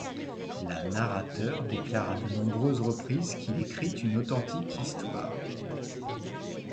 La narrateur déclare à de nombreuses reprises qu’il écrit une authentique histoire.